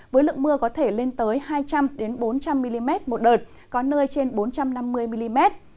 với lượng mưa có thể lên tới hai trăm linh bốn trăm linh mm một đợt có nơi trên bốn trăm năm mươi mm